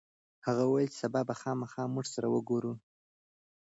هغه وویل چې سبا به خامخا موږ سره وګوري.